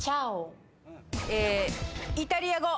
イタリア語。